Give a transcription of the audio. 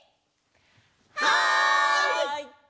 はい！